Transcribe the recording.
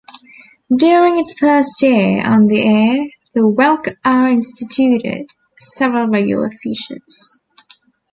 During its first year on the air, the Welk hour instituted several regular features.